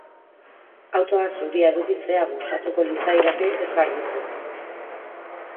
Autoa zuria edukitzea gustatuko litzaidake ez garbitzeko